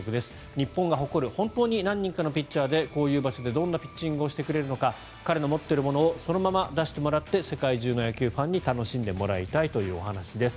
日本が誇る本当に何人かのピッチャーでこういう場所でどんなピッチングをするのか彼の持っているものをそのまま出してもらって世界中の野球ファンに楽しんでもらいたいというお話です。